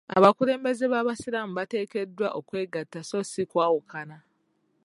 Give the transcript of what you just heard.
Abakulembeze b'abasiraamu bateekeddwa okwegatta so si kwawukana.